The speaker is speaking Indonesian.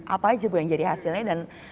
apa aja bu yang jadi hasilnya dan